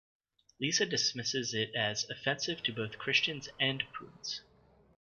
Lisa dismisses it as "offensive to both Christians "and" prunes.